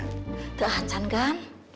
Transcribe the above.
tegak hancan kan